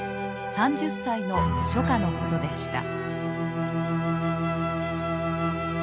３０歳の初夏のことでした。